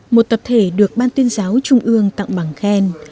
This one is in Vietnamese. một tập thể được ban tuyên giáo trung ương tặng bằng khen